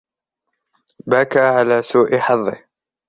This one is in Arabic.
بكى على سوء حظه.